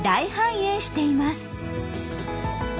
大繁栄しています。